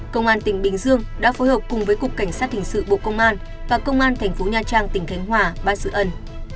công an tỉnh bình dương đã phối hợp cùng với cục cảnh sát hình sự bộ công an và công an thành phố nha trang tỉnh khánh hòa bắt giữ ân